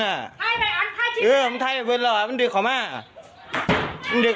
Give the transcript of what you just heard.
เอ้าให้ดูกันแบบนี้ก็ไม่ได้บอกว่าฝ่ายไหนผิดหรือฝ่ายไหนถูก